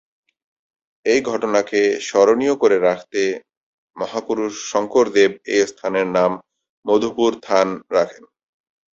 এই ঘটনাকে স্মরণীয় করে রাখতে মহাপুরুষ শঙ্করদেব এই স্থানের নাম "মধুপুর থান" রাখেন।